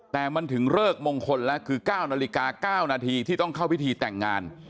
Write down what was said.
แต่มันถึงเลิกมงคลแล้วคือ๙นาฬิกา๙นาทีที่ต้องเข้าพิธีแต่งงาน